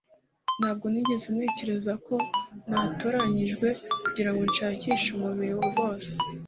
ntabwo nigeze ntekereza ko natoranijwe kugirango nshakishe umubiri wose